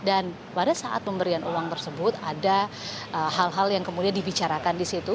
dan pada saat pemberian uang tersebut ada hal hal yang kemudian dibicarakan di situ